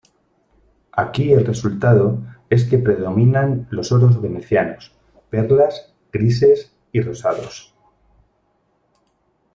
Aquí el resultado es que predominan los oros venecianos, perlas, grises y rosados.